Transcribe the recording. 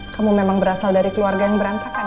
kamu memang berasal dari keluarga yang berantakan